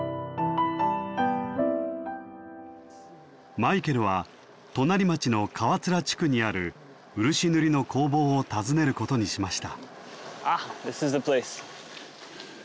マイケルは隣町の川連地区にある漆塗りの工房を訪ねることにしました。